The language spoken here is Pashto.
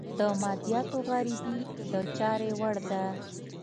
د مادیاتو غريبي د چارې وړ ده.